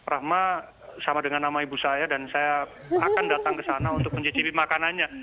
rahma sama dengan nama ibu saya dan saya akan datang ke sana untuk mencicipi makanannya